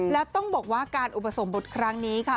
และต้องบอกว่าการอุปสมบทครั้งนี้ค่ะ